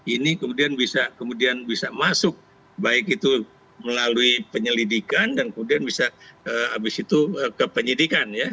ini kemudian bisa kemudian bisa masuk baik itu melalui penyelidikan dan kemudian bisa habis itu ke penyidikan ya